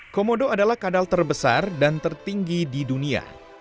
komodo adalah kadal terbesar dan tertinggi di dunia